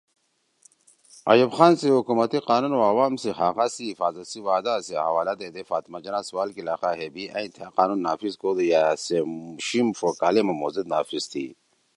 ایوب خان سی حکومتی قانون او عوام سی حقا سی حفاظت سی وعدا سی حوالہ دیدے فاطمہ جناح سوال کی لخا ہے بھی ائں تھأ قانون نافذ کودُو یأ سے مُوشیِم ݜو کالے ما مھو زید نافذ تھی